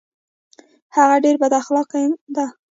هغه ډیر بد اخلاقه ده